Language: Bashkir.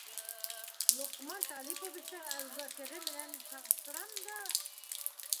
Лоҡман Талиповичтың Әбүбәкере менән сағыштырам да...